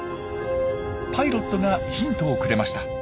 パイロットがヒントをくれました。